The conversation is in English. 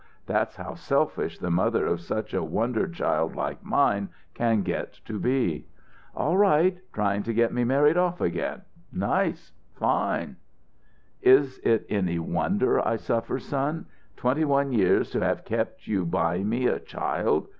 That's how selfish the mother of such a wonder child like mine can get to be." "All right. Trying to get me married off again. Nice! Fine!" "Is it any wonder I suffer, son? Twenty one years to have kept you by me a child.